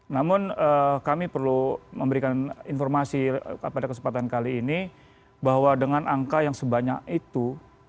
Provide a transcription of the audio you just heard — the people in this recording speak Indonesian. namun kami perlu memberikan informasi pada kesempatan kali ini bahwa dengan angka yang sebanyak itu